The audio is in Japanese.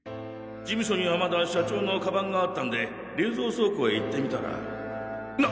事務所にはまだ社長の鞄があったんで冷蔵倉庫へ行ってみたらな